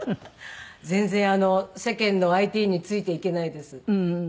全然世間のＩＴについていけないです。